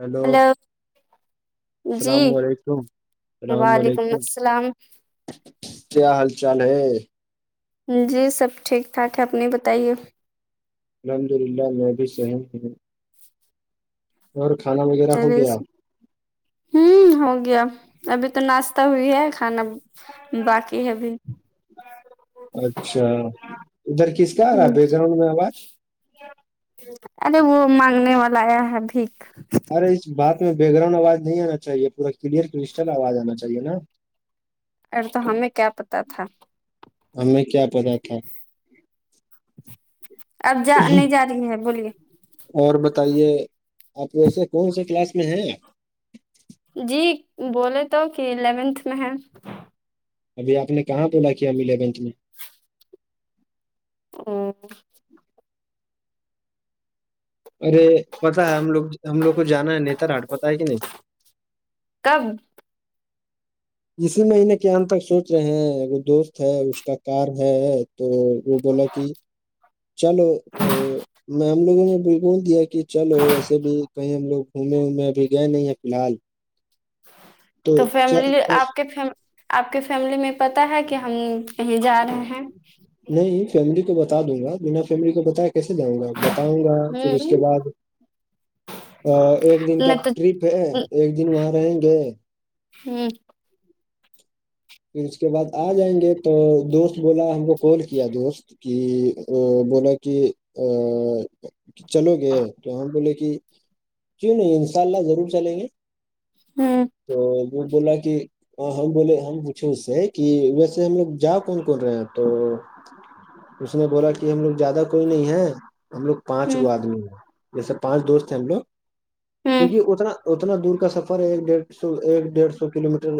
hello hello جی السلام علیکم السلام وعلیکم علیکم السلام کیا حال چال ہے جی سب ٹھیک ٹھاک ہے اپنی بتائیے الحمد للہ میں بھی سحیم ہوں اور کھانا وغیرہ ہو چلے گیا ہوں ہو گیا ابھی تو ناشتہ ہوئی ہے کھانا باقی ہے ابھی اچھا ادھر کس کا آ رہا ہے ہوں بیک گراؤنڈ میں آواز ارے وہ مانگنے والا آیا ہے بھیھیک ارے اس بات میں بیک گراؤنڈ آواز نہیں آنا چاہیے پورا کلیئر کرسٹل آواز آنا چاہیے نا اور تو ہمیں کیا پتا تھا ہمیں کیا پتا تھا اب جا نہیں جا رہی ہے بولیے اور بتائیے آپ ویسے کون سے کلاس میں ہیں آپ جی بولے تو کہ الیونتھ میں ہے ابھی آپ نے کہاں بولا کیہ اب ایلیونتھ میں [inaudible] ارے پتا ہے ہم لوگ ہم لوگ کو جانا ہے نتار ہاٹ پتا ہے کہ نہیں کب اسی مہینے کے تک سوچ رہے ہیں وہ دوست ہے اس کا کار ہے تو وہ بولا کہ چلو تو میں ہم لوگوں نے بھی بول دیا کہ چلو وسے بھی کہیں ہم لوگ گھومے وومے ابھی گئے نہیں ہیں فلحال تو فیملی چل- آپ کے آپ کے فیملی میں پتاہ ہے کہ ہم کہیں جا رہے ہیں نہیں فیملی کو بتا دوں گا بنا فیملی کو بتا کیسے جاؤں گا بتاؤں گا پھر اس ہ کے بعد ایک دن کا نہ تو ٹرپ ہے ایک دن وہاں رہیں گے ہوں پھر اس کے بعد آ جائیں گے تو دوست بولا ہم کو کال کیا دوست کہ بولا کہ ا چلو گے تو ہماں بولے کہ جی نہیں انشاء اللہ ضرور چلیں گے ہاں تو وہ بولا کہ ہم بولے ہم پوچھے اس سے کہ جسے ہم لوگ جاؤ کون کون رہے ہیں تو اس نے بولا کہ ہم لوگ زیادہ کوئی نہیں ہے ہم لوگ ہ پانچ گو ہ آدمی ہیں جیسے پانچ دوست ہیں ہم لوگ ہ کیونکہ اتنا اتنا دور کا سفر ہے ایک ڈیھ سو ایک ڈیڑھ سو کلو میٹر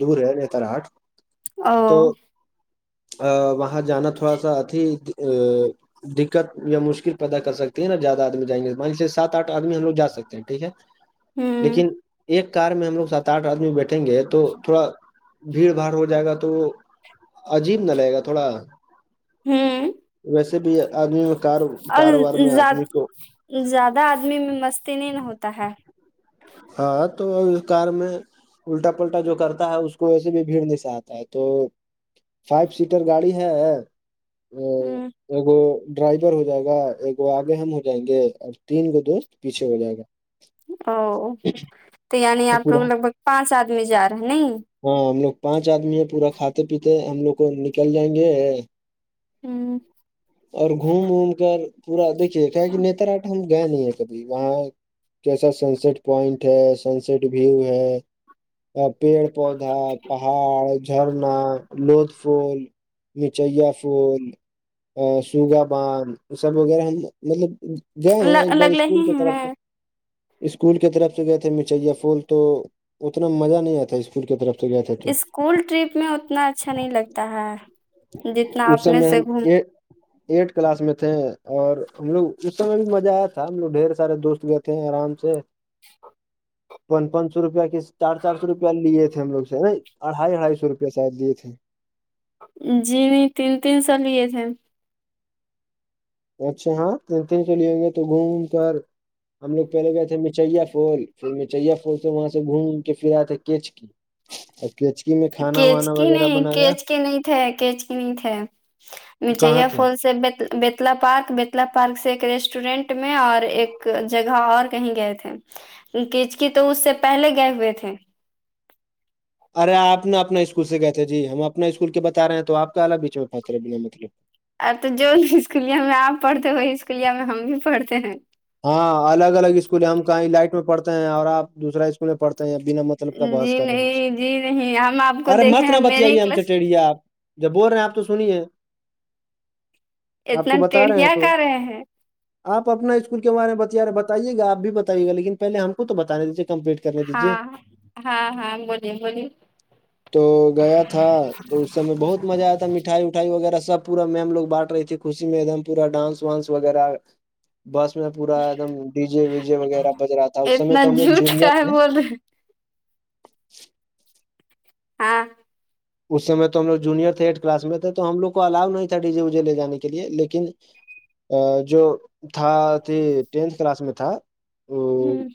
دور ہے نتراہاٹ او تو وہاں جانا تھوڑا سا اتیھی دقت یا مشکل پیدا کر سکتی ہے نا زیادہ آدمی جائیں گے سے سات آٹھ آدمی ہم لوگ جا سکتے ہیں ٹھیک ہے ہوں لیکن ایک کار میں ہم لگ سات آٹھ آدمی بیٹھیں گے تو تھوڑا بھیڑ بھاڑ ہو جائے گا تو عجیب نہ لے گا تھوڑا ہوں ویسے بھی آدمی کار اور کاروبار میں آدمی زیاد- کو زیادہ آدمی میں مست نہیں نہ ہوتا ہے ہاں تو او کار میں الٹا پلٹا جو کرتا ہے اس کو ویسے بھی بھیڑ نہیں س آتا ہے تو فائیو سیٹر گاڑی ہے ہ ڈرائیور ہو جائے گا ایک وہ آگے ہم ہو جائیں گے اور تین گ دوست پیچھے ہو جائے گا تو یعنی آپ پورا لوگ لگ بھگ پانچ آدمی جا رہے ہیں ہاں ہم لوگ پانچ آدمی ہے پورا کھاتے پیتے ہم لوگ کو نکل جائیں گے اور گھوم ووم کر پورا دیکھیے کہ نتاٹ ہم گیا نہیں ہے کبھی وہاں کیسا سن سٹ پوائنٹ ہے سن سٹ ویو ہے پیڑ پودا پہاڑ جھرنا لود فھول مچیا پھول سوگا باند سب وغیرہ ہم مطلب گئے ہیں ہ ایک بار لگلے اسکول ہی کی طرف سے ہیں اسکول کی طرف سے گئے تھے مچھیاں پھول تو اتنا مزہ نہیں آتا تھا اسکول کی طرف سے گئے تھے تو اسکول ٹرپ میں اتنا اچھا نہیں لگتا ہے جتنا اس سم اپنے میں سے ہم گھوم یہ ایٹھ کلاس میں تھے اور ہم لوگ اس سمے بھی مزہ آیا تھا ہم لوگ ڈھیر سارے دوست گئے تھ ہیں آرام سے ا پانچ پانچ سو روپیہ کے چار چار سو روپیہ لیے تھے ہم لوگ سے نا اڑھائی اڑھائی سو روپ شید لیے تھے جی نہیں تین تین سو لیے تھے اچھا ہاں تین تین سو لےیں گے تو گھوم کر ہم لوگ پہلے گئے تھے مچیا فال پھر میں چیا پور سے وہاں سے گھوم کے پھر آیا تھا کیچ کی کچکی میں کھانا کیچ وانا کی وغیرہ نہیں بنایا کیچ کے نہیں تھے کیچ کی نہیں تھے کہاں میچےیا تھے فول سے بتلا پارک بیتلا پارک سے ایک ریسٹورینٹ میں اور ایک جگہ اور کہیں گئے تھے کچکی تو اس سے پہلے گئے ہوئے تھے ارے آپ ن اپنا اسکول سے گئے تھے جی ہم اپنا اسکول کے بتا رہے ہیں تو آپ کا الگ بھیچڑ پاتے بنا مطلب اب تو جو اسکولیہ میں آپ پڑھتے ہیں وہی اسکولیہ میں ہم بھی پڑھتے ہیں ہاں الگ الگ اسکول ہے ہم کہیں لائٹ میں پڑھتے ہیں اور آپ دوسا اسکول میں پڑھتے ہیں بنا مطلب کا بحس جی کر رہے سے نہیں جی نہیں ہم آپ کو ارے دیکھے مت ہیں نہ میرے ہی بتئیے ہم کلاس چٹڑیا آپ جب بول رہے ہیں آپ تو سنیے اتنا ٹٹیڑھیا کر رہے ہیں آ اپنا اسکول کے بارے میں بت رہے بتائیے گا آپ بھی بتائیے گا لیکن پہل ہم کو تو بتانے دیے کمپلیٹ کر کرنے دیجیے ہاں ہاں ہاں بولیے بولیے تو گیا تھا تو اس سب میں بہت مزہ آیا تھا مٹھائی اٹھائی وغیرہ سب پور میم لو بٹ رہے تھے خوشی میں ایک دم پورا ڈانس س وغیرہ بس میں پورا ایک دم ڈی جے وی جے وغیرہ بج رہا تھا اس سم میں اتنا تو ہم لوگ جھوٹ جونیت ہیں [inaudible] ہاں اس س تو ہم لوگ جونئر تھے ایٹ کلاس میں تھے تو ہم لوگ کو الاو نہیں تھا ڈی جی وجے ل جانے کے لیے لیکن جو تھا تھی ٹینتھ کلاس میں تھا ہوں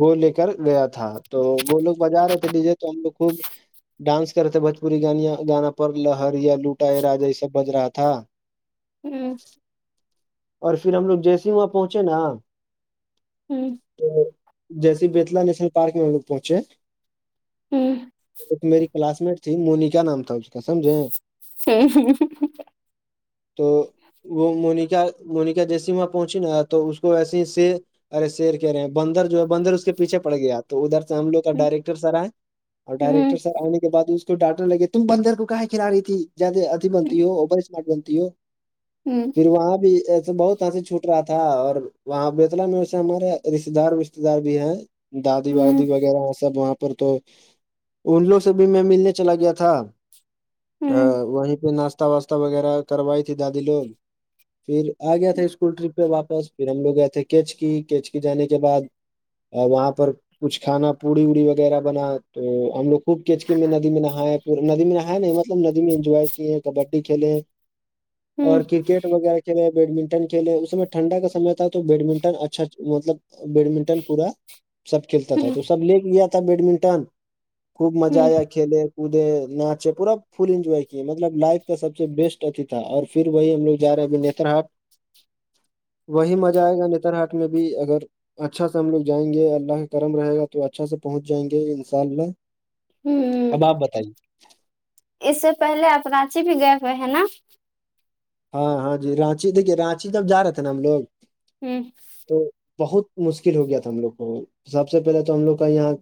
وہ لے کر گیا تھا تو وہ لوگ بجا رہے تھے ڈی جے تو ہم لوگ خوب ڈانس کر رہے تھے پوری گان گانا پر لہر یا لوٹا یا راجا یہ سب ظبج رہا تھا ہوں اور پھر ہم لوگ جیسے ہی وہاں پہنچے نا ہ ہ ہ تو جیسے بیتلا نیشنل پارک میں ہم لوگ پہنچے ہ ایک میری کلاس مٹ تھی مونی کیا نام تھا سمجھیں تو وہ مونییک مونکا جےسما پہنچی نا تو اس کو ویسے ہی سے ارے سیر کہہ رہے ہیں بندر جو ہے بندر اس کے پیچھے پڑ گیا آپ تو ادھر سے ہم لوگ کا ڈائریکٹر سر آئے اور ڈائریکٹر سر آنے کے بعد اس تو ڈانٹنے لگے تم بندر کو کہیں کھلا رہی تھی زیادہ ادھی بنتی ہو اوور اسمارٹ بنتی ہو ہ پھر وہاں بھی ایسے بہت ہانسی چھوٹ رہا تھا اور وہاں بیتلا میں وسے ہمارے رشتے دار وشتے دار بھی ہیں دادی وادی وغیرہ سب وہاں پر تو ان لوگ سے بھی میں ملنے چلا گیا تھا ہ ہ وہیں پہ ناشہ راتا واسہ وغیرہ کروائی تھی دادی لوگ پھر آ گیا تھا اسکول ٹرپ پہ واپس پھر ہم لوگ گئے تھے کیچ کی کیچک جانے کے بعد اور وہاں پر کچھ کھانا پوڑی ووڑی وغیرہ بنا تو ہم لوگ خوب کچکی میں ندی میں نہایا ہے پور ندی میں نہایا نہیں مطلب ندی میں انجوائے کیے کبڈی کھیلے ہیں ہوں اور کرکٹ وغیرہ کھیل بیڈمنٹن کھیلے اس میں ٹھنڈا کا سم تھا تو بیڈمنٹن اچھا مطلب بیڈمنٹن پورا سب کھیلتا تھا ہوں تو سب لے کے گیا تھا بیڈمنٹن خوب مزہ ہوں آیا کھیلے کوودے ناچے پورا فل انجوائے کیے مطلب لائف کا سب سے بیسٹ اتھی تھا اور پھر وہی ہم لوگ جا رہے ہیں ابھی نتر ہاٹ وہی مزہ آئے گا نتر ہاٹ میں بھی اگر اچھا سے ہم لوگ جائیں گے اللہ کا کرم رہے گا تو اچھا سے پہنچ جائیں گے انشاء اللہ ہ اب آپ بتائیے اس سے پہلے آپ راچی بھی گئے ہوئے ہیں نا ہاں ہاں جی رانچی دیکھیے رانچی جب جا رہے تھے نا ہم لوگ ہوں تو بہت مشکل ہو گیا تھا ہم لوگ کو سب سے پہلے تو ہم لوگ کا یہاں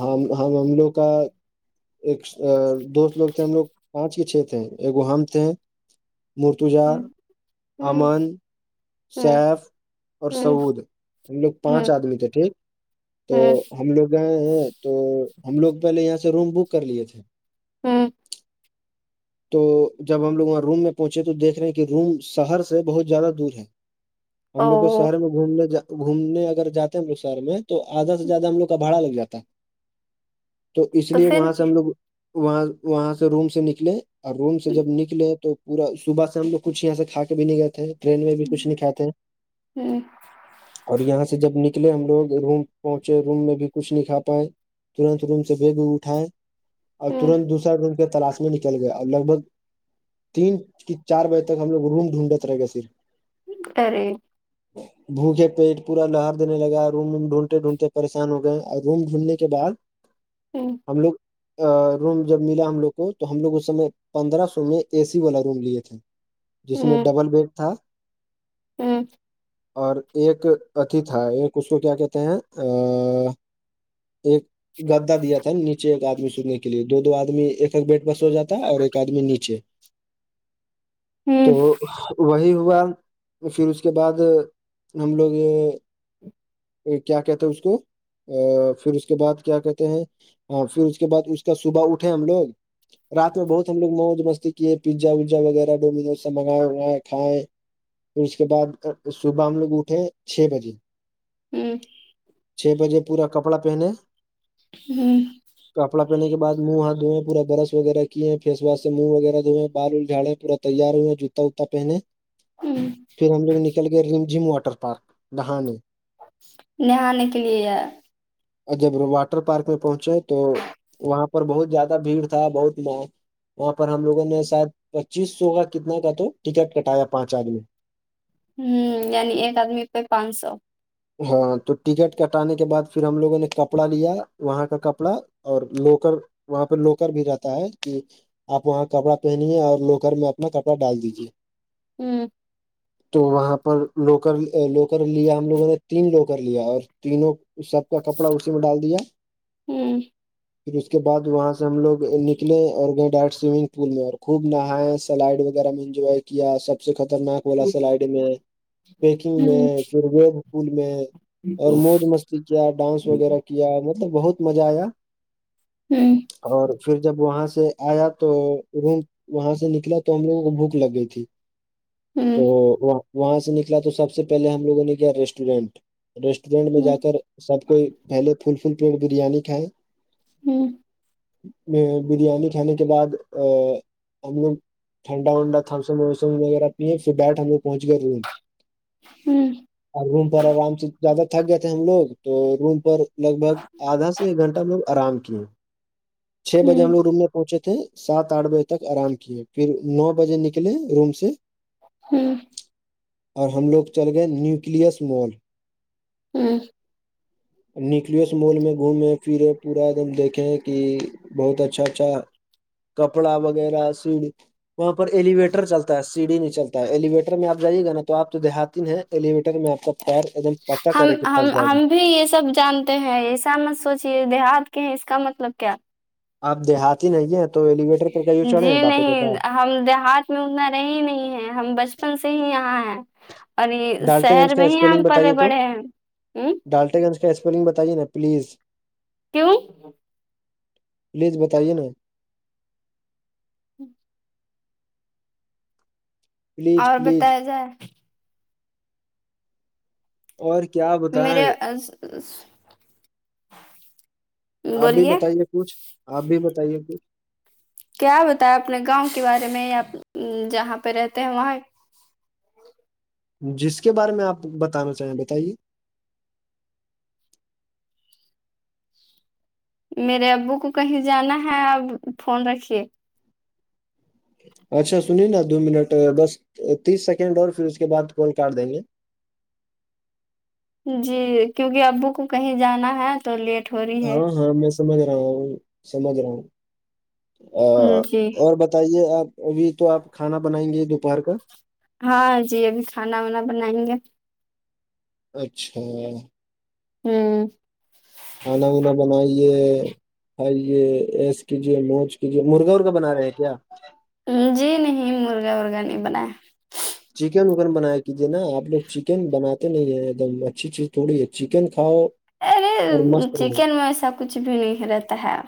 ہم ہم لوگ کا ایک دوست لوگ تھے ہم لوگ پانچ کے چھ تھے ایک ہم تھے ہوں مرتجا ہوں امن ہوں سیف اور ہوں سعود ہم لوگ پانچ ہوں آدمی تھے ٹھیک تو ہوں ہم لوگ گئے ہیں تو ہم لوگ پہلے یہاں سے روم بک کر لیے تھے ہوں تو جب ہم لوگ وہاں روم میں پہنچے تو دیکھ رہے ہیں کہ روم شہر سے بہت زیادہ دور ہے ہم لوگ کو او شہر میں گومنے گھومنے اگر جاتے ہیں ہم لوگ شہر میں تو آدھا سے زیادہ ہم لوگ کا بھاڑا لگ جاتا تو اس لیے وہاں سے ہم لوگ وہاں وہاں سے روم سے نکلے اور روم سے جب نکلے تو پورا صبح سے ہم لوگ کچھ یہاں سے کھا کے بھی نہیں گئے تھے ٹرین میں بھی کچھ نہیں ہوں کھاتے ہیں اور یہاں سے جب نکلے ہم لوگ روم پہنچے روم میں بھی کچھ نہیں کا پائے ترنت روم سے بگ اٹھائے اور ہوں تت دوسر روم کے تلاش میں نکل گئے اور لگ بھگ تین کی چار بجے تک ہم لوگ روم ڈھونڈت رہے گا پر سر جی بھوکے پیٹ پورا لار دینے لگا روم ڈھونڈتے ڈھونڈتے پریشان ہو گئے اور روم ڈھونڈنے کے بعد [inaudible] ہوں ہم لوگ روم جب ملا ہم لوگ کو تو ہم لوگ اس سمے پندرہ سو میں اے سی والا روم لیے تھے جس میں ہوں ڈبل بیڈ تھا ہوں اور ایک ات تھا ایک اس کو کیا کہتے ہیں ایک گدا دیا تھا نیچے ایک آدمی سوتنے کے لیے دو دو آدمی ایک ایک بیٹ ب سو جاتا اور ایک آدمی نیچے تو ہوں وہی ہوا پھر اس کے بعد ہم لوگ یہ کیا کہتا اس کو پھر اس کے بعد کیا کہتے ہیں پھر اس کے بعد اس کا صبح اٹھے ہم لوگ رات میں بہت ہم لوگ موج مستی کیے پیزا وزا وغیرہ ڈومینوز سے منگائے ونگائے کھائےیں پھر اس کے بعد صبح ہم لوگ اٹھے چھ بجے ہوں چھ بجے پورا کپڑا پہنے ہوں کپڑا پہنے کے بع منہ ہاتھوئے پور برش وغیرہ کیے پورا تیار ہوا جوتا وتا پہنے ہوں پھر ہم لوگ نکل گئے جم واٹر مارک نہانے کے لیے ہے اور جب واٹر پارک میں پہنچے تو وہاں پر بہت زیادہ بھیڑ تھا بہت وہاں پر ہم لوگوں نے ساید پچیس سو کا کتنا کا تو ٹکٹ کٹایا پانچ آدمی ہوں یعنی ایک آدمی پہ پانچ سو ہاں تو ٹکٹ کٹانے کے بعد پھر ہم لوگوں نے کپڑا لیا وہاں کا کپڑا اور لوکر وہاں پہ لوکر بھی رہتا ہے کہ آپ وہاں کپڑا پہنیے اور لوکر میں اپنا کپڑا ڈال دیجے ہوں تو وہاں پر لوکل لوکل ل ہم لوگوں نے تین لو کر لیا اور تینوں سب کا کپڑا اسی میں ڈال دیا ہوں پھر اس کے بعد وہاں سے ہم لوگ نکلے اور گئے ڈائٹ سوئمنگ پل میں اور خوب نہایا سلائڈ وغیرہ میں انجوائے کیا سب سے خطرناک اولا سلائڈ میں پیکنگ میں ہوں پھر اسکول میں اور موج مستی کیا ڈانس وغیرہ کیا مطلب بہت مزہ آیا ہوں اور پھر جب وہاں سے آیا تو انہیں وہاں سے نکلا تو ہم لوگوں کو بھوک لگ گئی تھی تو ہوں وہاں سے نکلا تو سب سے پہلے ہم لوگوں نے کیا ریسٹورینٹ ریسٹورینٹ میں ہوں جا کر سب کوئی پہلے فل فل پلیٹ بریانی کھائے ہوں بریانی کھانے کے بعد ہم لوگ ٹھڈا ونڈا تھا سموسا وغیرہ پیے پھر بیٹھ ہم لوگ پہنچ گئے ہوں اور روم پر آرام سے زیادہ تھک گئے تھے ہم لوگ تو روم پر لگ بھگ آدا سے ایک گھنٹہ میںو آرام کیے چھ بجے ہم ہوں لوگ روم میں پہنچے تھے سات آٹھ بجے تک آرام کیے پھر نو بجے نکلے روم سے ہوں اور ہم لوگ چل گئے نیوکلس مال ہوں نیوکلیس مال میں گھومے پھرے پورا ایک دم دیکھیں کہ بہت اچھا اچھا کپڑا وغیرہ سیڈ وہاں پر ایلیویٹر چلتا ہے سی ڈی نہیں چلتا ہے ایلیویٹر میں آپ جائیے گا نا آپ دیہاتین ہےلیویٹر میں آپ کا پیر ایکم پکا ہم کرے کہ ہم پھنس جائے گا ہم بھی یہ سب جانتے ہیں ایسا مت سوچیے دیہات کے ہیں اس کا مطلب کیا آپ دیہاتی نہیں ہے تو ایلیویٹر پہ کئیوں چڑھے ہیں جی باپ دادا نہیں ہم دیہات میں اتنا رہ ہی نہیں ہے ہم بچپن سے ہی یہاں ہے اور یہ ڈالٹے گنج شہر کا میں ہی آم پلے بڑے ہیں ڈالٹتے گے اسپیلنگ بتائیے نا پلیز کیوں پلیز بتائیے نا پلیز اور پلیز بتایا جائے اور کیا میرے بتائیں آپ بھی بولیے بتائیے کچھ آپ بھی بتائیے کچھ کیا بتیں اپنے گاؤں کے بارے میں یا جہاں پہ رہتے ہیں وہاں جس کے بارے میں آپ بتانا چاہیں بتائیے میرے ابو کو کہیں جانا ہے آپ فون رکھیے اچھا سنیے نا دو منٹ بس تیس سیکنڈ اور پھر اس کے بعد کال کر دیں گے جی کیونکہ ابو کو کہیں جانا ہے تو لیٹ ہو رہی ہے ہاں ہاں میں سمجھ رہا ہوں سمجھ رہا ہوں جی اور بتائیے آپ ابھی تو آپ کھانا بنائیں گے دوپہر کا ہاں جی ابھی کھانا وانا بنائیں گے اچھا ہوں کھانا وانا بنائیے کھائیے ایس کیجیے موج مرغا ورگا بنا رہے ہیں کیا جی نہیں مرغا ورغا نہیں بنایا چکن وکن بنا کیجیے نا آپ لوگ چکن بنات نہیں ہے ایک دم اچھی چیز تھوڑی ہے چکن کھاؤ ارے اور مست رہو چکن میں ایسا کچھ بھی نہیں رہتا ہے